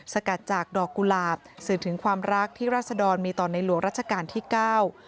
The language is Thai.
สกัดจากดอกกุหลาบสื่อถึงความรักที่ราศดรมีต่อในหลวงรัชกาลที่เก้า